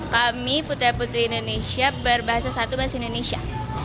kami putra putri indonesia berbahasa satu bahasa indonesia